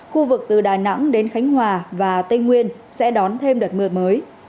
khu vực từ đà nẵng đến khánh hòa và tây nguyên sẽ đón thêm đợt mưa mới